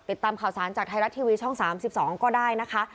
ติดตามข่าวสารจากไทยรัฐทีวีช่อง๓๒ก็ได้นะคะ